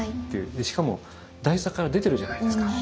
でしかも台座から出てるじゃないですか。